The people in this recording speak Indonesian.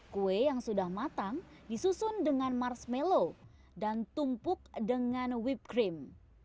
kue yang sudah matang disusun dengan marshmallow dan tumpuk dengan whippe cream